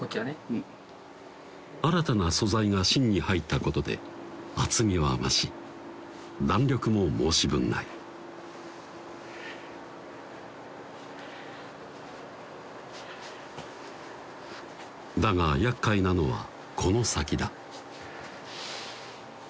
うん新たな素材が芯に入ったことで厚みは増し弾力も申し分ないだがやっかいなのはこの先だ